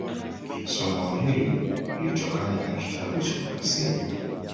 Somo hili lilitokana na kitabu cha urasimi